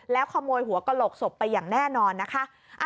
แล้วขโมยหัวกระโหลกศพไปอย่างแน่นอนนะคะ